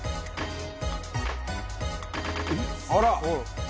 「あら！」